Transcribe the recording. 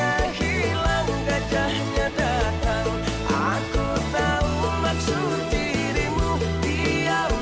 ada gajahnya di balik pembatu